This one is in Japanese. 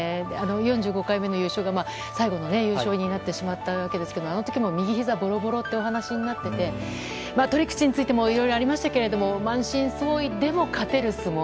４５回目の優勝が最後の優勝になりましたがあの時も右ひざぼろぼろとお話になってて取り口についてもいろいろありましたけど満身創痍でも勝てる相撲。